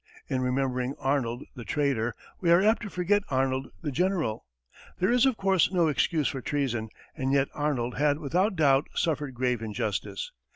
In remembering Arnold the traitor, we are apt to forget Arnold the general. There is, of course, no excuse for treason, and yet Arnold had without doubt suffered grave injustice.